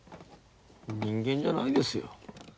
人間じゃないですよ。